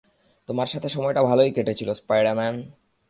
তোমার সাথে সময়টা ভালোই কেটেছিল, স্পাইডার-ম্যান।